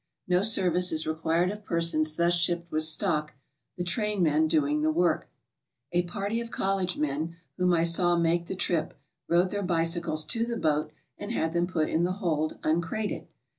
No service is required of persons thus shipped with stock, the trainmen doing the work. A party of college men whom I saw make the trip, rode their bicycles to the boat, and had them put in the hold un crated.